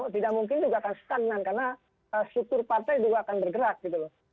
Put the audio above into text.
tidak mungkin juga akan stagnan karena struktur partai juga akan bergerak gitu loh